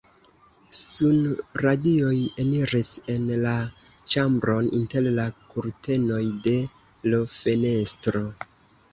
Sunradioj eniris en la ĉambron inter la kurtenoj de l' fenestro.